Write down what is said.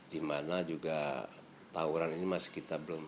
di mana juga tawuran ini masih kita belum